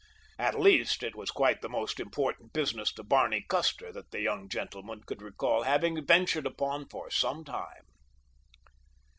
At least it was quite the most important business to Barney Custer that that young gentleman could recall having ventured upon for some time.